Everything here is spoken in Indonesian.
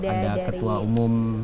ada ketua umum